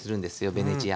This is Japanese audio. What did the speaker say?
ベネチアに。